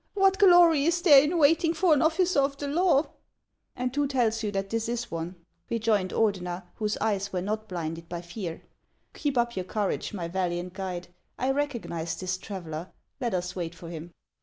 What glory is there in waiting for an officer of the law ?"" And wlio tells you that this is one ?" rejoined Or dener, whose eyes were not blinded by fear. " Keep up your courage, my valiant guide ; I recognize this traveller. Let us wait for him."